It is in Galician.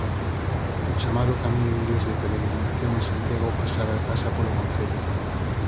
O chamado Camiño Inglés de peregrinación a Santiago pasaba e pasa polo concello.